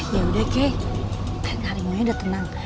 ya udah kek kan harimau nya udah tenang